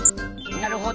なるほど。